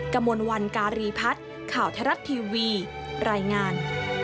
กระมวลวันการีพัฒน์ข่าวทรัฐทีวีรายงาน